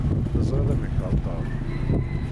Teẓriḍ amek heddren.